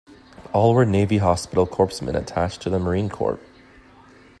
All were Navy hospital corpsmen attached to the Marine Corps.